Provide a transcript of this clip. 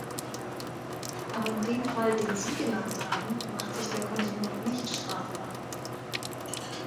Aber in dem Fall, den Sie genannt haben, macht sich der Konsument nicht strafbar.